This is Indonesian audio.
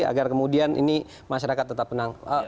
agar kemudian ini masyarakat tetap tenang